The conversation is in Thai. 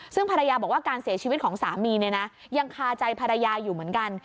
ซึ่งภรรยาบอกว่าการเสียชีวิตของสามีเนี่ยนะยังคาใจภรรยาอยู่เหมือนกัน